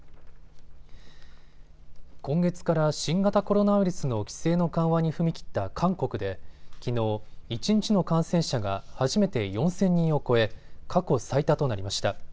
今月から新型コロナウイルスの規制の緩和に踏み切った韓国できのう一日の感染者が初めて４０００人を超え過去最多となりました。